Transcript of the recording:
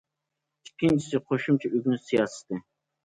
ئىككىنچىسى، قوشۇمچە ئۆگىنىش سىياسىتى.